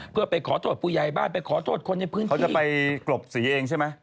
เพื่อไปขอโทษผู้ใหญ่บ้านไปขอโทษคนในพื้นที่ไปกรบสีเองใช่ไหม